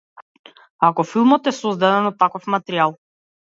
Ако филмот е создаден од таков материјал.